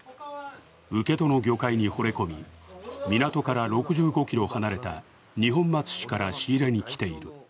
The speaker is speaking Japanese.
請戸の魚介にほれ込み、港から６５ｋｍ離れた二本松市から仕入れに来ている。